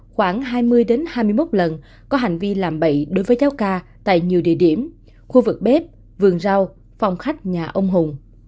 khoảng hai mươi hai mươi một lần có hành vi làm bậy đối với giáo ca tại nhiều địa điểm khu vực bếp vườn rau phòng khách nhà ông hùng